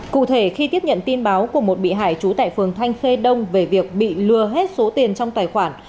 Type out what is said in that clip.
cụ thể khi tiếp nhận tin báo của một bị hại trú tại phường thanh khê đông về việc bị lừa hết số tiền trong tài khoản